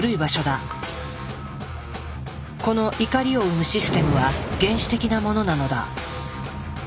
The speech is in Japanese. この怒りを生むシステムは原始的なものなのだ。